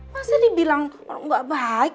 masa dibilang gak baik